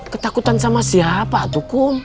ketakutan sama siapa tuh kum